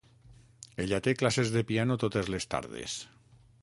Ella té classes de piano totes les tardes.